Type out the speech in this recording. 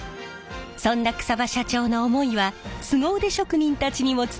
そんな草場社長の思いはスゴ腕職人たちにも伝わりました。